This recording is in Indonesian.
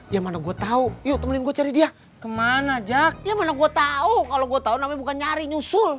ya mana gue tau kalo gue tau namanya bukan nyari nyusul